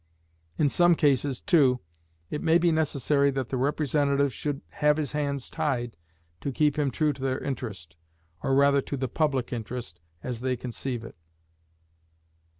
In some cases, too, it may be necessary that the representative should have his hands tied to keep him true to their interest, or rather to the public interest as they conceive it.